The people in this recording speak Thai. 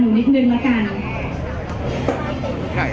ก็ไม่มีคนกลับมาหรือเปล่า